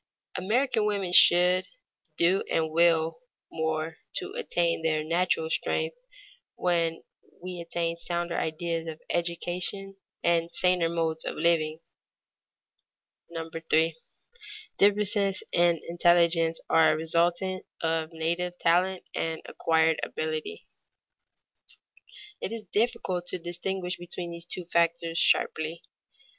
American women should do and will do more to attain their natural strength when we attain sounder ideas of education and saner modes of living. [Sidenote: Talent and training as factors of efficiency] 3. Differences in intelligence are a resultant of native talent and acquired ability. It is difficult to distinguish these two factors sharply.